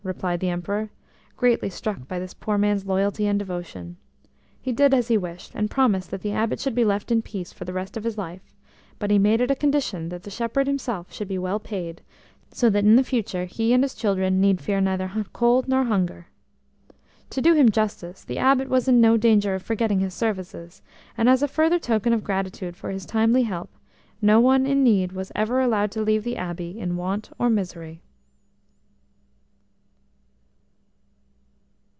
replied the Emperor, greatly struck by this poor man's loyalty and devotion. He did as he wished, and promised that the Abbot should be left in peace for the rest of his life; but he made it a condition that the shepherd himself should be well paid, so that in future he and his children need fear neither cold nor hunger. To do him justice, the Abbot was in no danger of forgetting his services, and as a further token of gratitude for his timely help, no one in need was ever allowed to leave the Abbey in want or misery.